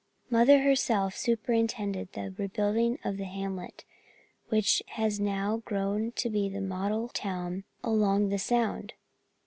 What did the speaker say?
"Mother herself superintended the rebuilding of the hamlet which has now grown to be the model town along the sound."